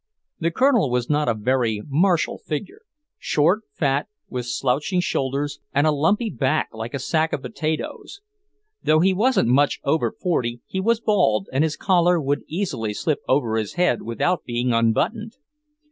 The Colonel was not a very martial figure; short, fat, with slouching shoulders, and a lumpy back like a sack of potatoes. Though he wasn't much over forty, he was bald, and his collar would easily slip over his head without being unbuttoned.